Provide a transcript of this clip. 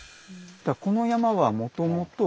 この山はもともと。